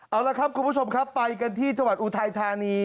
เอาละครับคุณผู้ชมครับไปกันที่จังหวัดอุทัยธานี